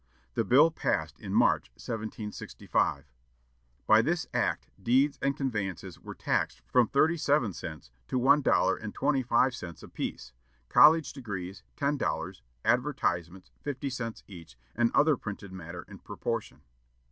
The bill passed in March, 1765. By this act, deeds and conveyances were taxed from thirty seven cents to one dollar and twenty five cents apiece; college degrees, ten dollars; advertisements, fifty cents each, and other printed matter in proportion.